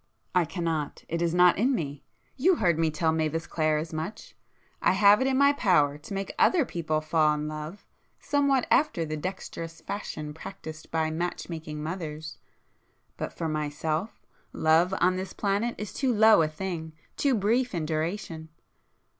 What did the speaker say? "I cannot. It is not in me. You heard me tell Mavis Clare as much. I have it in my power to make other people fall in love, somewhat after the dexterous fashion practised by match making mothers,—but for myself, love on this planet is too low a thing—too brief in duration.